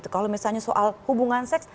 kalau misalnya soal hubungan seks